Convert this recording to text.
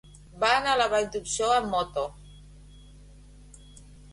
Va anar a la Vall d'Uixó amb moto.